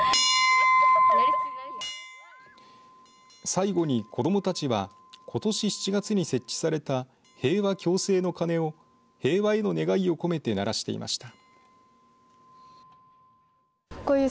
最後に、子どもたちはことし７月に設置された平和・共生の鐘を平和への願いを込めて鳴らしていました。